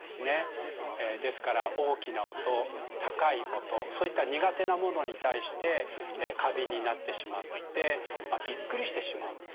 ですから大きな音高い音そういった苦手なものに対して過敏になってしまってびっくりしてしまうんですね。